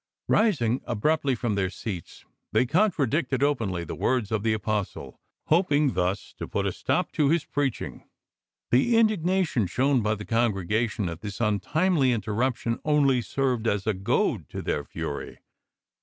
Rising abruptly from their seats, they contradicted openly the words of the Apostle, hoping thus to put a stop to his preaching. The indignation shown by the congregation at this untimety inter ruption only served as a goad to their fury.